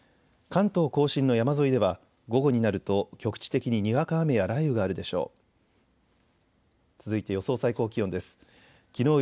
関東甲信の山沿いでは午後になると局地的ににわか雨や雷雨があるでしょう。